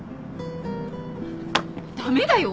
駄目だよ！